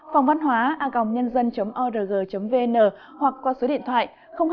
phòngvănhoa org vn hoặc qua số điện thoại hai nghìn bốn trăm ba mươi hai sáu trăm sáu mươi chín năm trăm linh tám